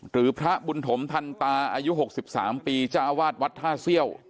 หรือพระบุญถมทันตาอายุ๖๓ปีเจ้าอาวาสวัดท่าเซี่ยว